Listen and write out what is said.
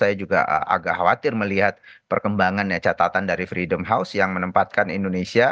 saya juga agak khawatir melihat perkembangan catatan dari freedom house yang menempatkan indonesia